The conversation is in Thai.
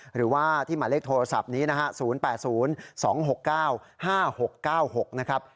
หรือว่าที่หมายเลขโทรศัพท์นี้นะฮะ๐๘๐๒๖๙๕๖๙๖นะครับ